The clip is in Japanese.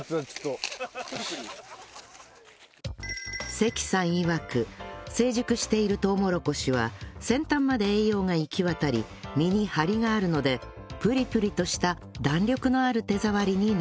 関さんいわく成熟しているとうもろこしは先端まで栄養が行き渡り実に張りがあるのでプリプリとした弾力のある手触りになるそうです